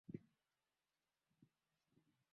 na kwa hii inazikuta nchi zina nchi za kiafrika